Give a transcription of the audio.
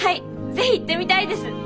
是非行ってみたいです！